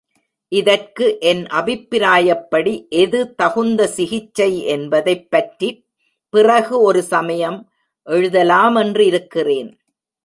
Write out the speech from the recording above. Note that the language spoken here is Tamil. இதற்கு என் அபிப்பிராயப்படி எது தகுந்த சிகிச்சை என்பதைப் பற்றிப் பிறகு ஒரு சமயம் எழுதலாமென்றிருக்கிறேன்.